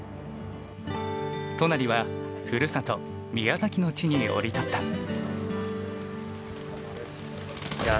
都成はふるさと宮崎の地に降り立った。